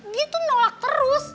dia tuh nolak terus